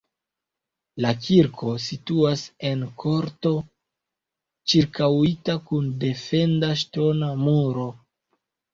La kirko situas en korto ĉirkaŭita kun defenda ŝtona muro.